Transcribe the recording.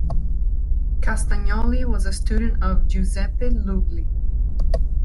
Castagnoli was a student of Giuseppe Lugli.